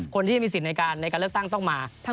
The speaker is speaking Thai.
คนที่มีสิทธิ์ในการเลือกตั้งต้องมา